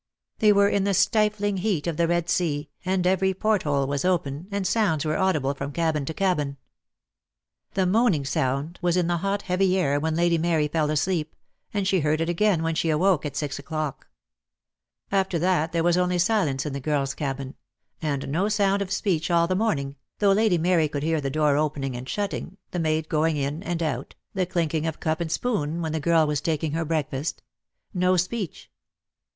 They were in the stifling heat of the Red Sea, and every port hole was open, and sounds were audible from cabin to cabin. The moaning sound was in the hot heavy air when Lady Mary fell asleep, and she heard it again when she awoke at six o'clock. After that DEAD LOVE HAS CHAINS. 1 3 there was only silence in the girl's cabin — and no sound of speech all the morning, though Lady Mary could hear the door opening and shutting, the maid going in and out, the clinking of cup and spoon when the girl was taking her breakfast. No speech.